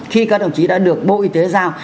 khi các đồng chí đã được bộ y tế giao